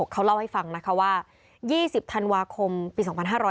เขาเล่าให้ฟังนะคะว่า๒๐ธันวาคมปี๒๕๕๙